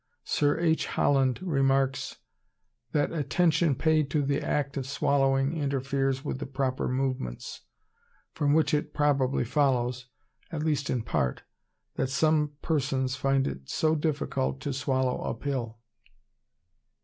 Sir H. Holland remarks that attention paid to the act of swallowing interferes with the proper movements; from which it probably follows, at least in part, that some persons find it so difficult to swallow a pill.